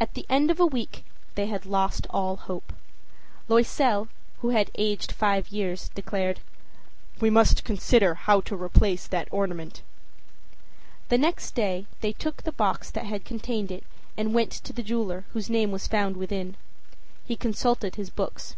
At the end of a week they had lost all hope. Loisel, who had aged five years, declared: âWe must consider how to replace that ornament.â The next day they took the box that had contained it and went to the jeweler whose name was found within. He consulted his books.